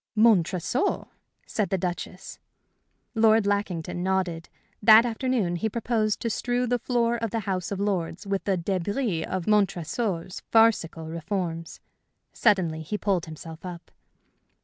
"Montresor?" said the Duchess. Lord Lackington nodded. That afternoon he proposed to strew the floor of the House of Lords with the débris of Montresor's farcical reforms. Suddenly he pulled himself up.